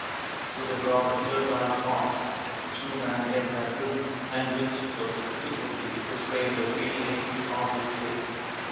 So they brought a fierce eyed horse which no man yet had ridden and which was with difficulty restrained by three chains of ponderous weight.